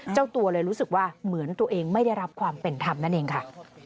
เจ้าตัวเลยรู้สึกว่าเหมือนตัวเองไม่ได้รับความเป็นธรรมนั่นเองค่ะ